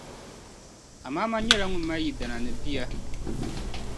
Amama nyɛla ŋun mali yidana ni bia.